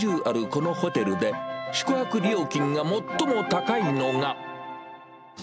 このホテルで、宿泊料金が最も高いのが。